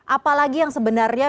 apalagi yang sebenarnya